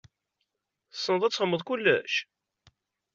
Tessneḍ ad txedmeḍ kullec?